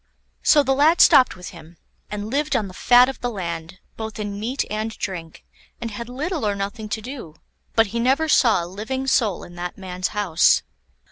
So the lad stopped with him, and lived on the fat of the land, both in meat and drink, and had little or nothing to do; but he never saw a living soul in that man's house.